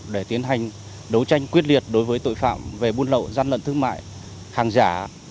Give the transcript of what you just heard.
để tiến hành đấu tranh quyết liệt đối với tội phạm về buôn lậu gian lận thương mại hàng giả